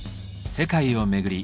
世界を巡り